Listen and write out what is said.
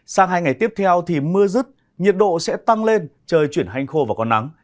sáng hai ngày tiếp theo thì mưa rứt nhiệt độ sẽ tăng lên trời chuyển hanh khô vào con nắng